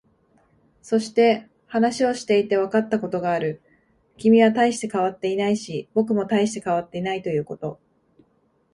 そして、話をしていてわかったことがある。君は大して変わっていないし、僕も大して変わっていないということ。